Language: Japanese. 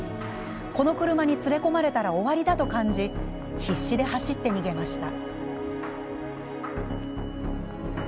この車に連れ込まれたら終わりだと感じ必死で走って逃げました。